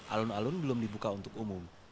alun alun belum dibuka untuk umum